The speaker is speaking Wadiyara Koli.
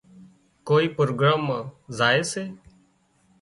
ڪوئي پروگرام مان زائي سي